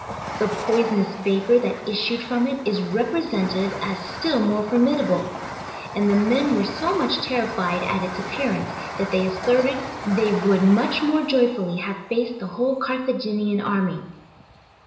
The poisonous vapour that issued from it is represented as still more formidable; and the men were so much terrified at its appearance, that they asserted, they would much more joyfully have faced the whole Carthaginian army.